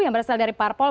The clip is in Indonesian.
yang berasal dari parpol